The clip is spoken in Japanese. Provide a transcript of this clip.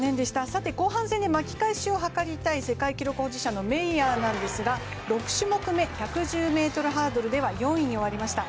後半戦で巻き返しを図りたい世界記録保持者のメイヤーなんですが６種目め、１１０ｍハードルでは４位に終わりました。